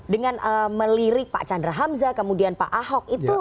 dengan melirik pak chandra hamzah kemudian pak ahok itu